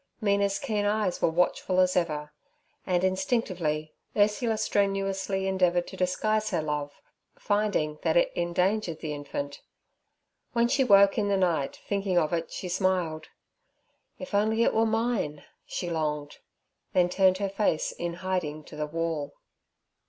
Mina's keen eyes were watchful as ever, and instinctively Ursula strenuously endeavoured to disguise her love, finding that it endangered the infant. When she woke in the night thinking of it she smiled. 'If only it were mine!' she longed, then turned her face in hiding to the wall.